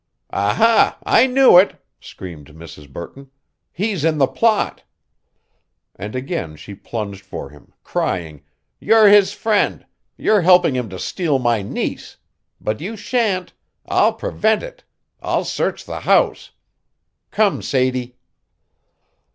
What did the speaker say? "Ah, ha! I knew it!" screamed Mrs. Burton. "He's in the plot." And again she plunged for him, crying, "You're his friend you're helping him to steal my niece. But you shan't I'll prevent it I'll search the house. Come, Sadie!"